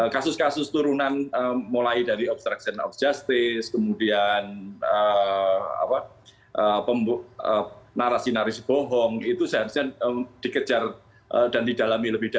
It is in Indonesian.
kasus kasus turunan mulai dari obstruction of justice kemudian narasi narasi bohong itu seharusnya dikejar dan didalami lebih dalam